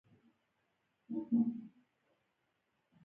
که قلم نه وي د درس نوټونه هم نشته.